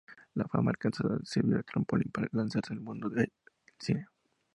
La fama alcanzada le sirvió de trampolín para lanzarse al mundo del cine.